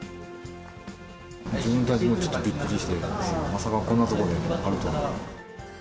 自分たちもちょっとびっくりして、まさかこんなとこであるとは。